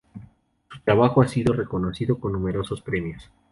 Su trabajo ha sido reconocido con numerosos premios.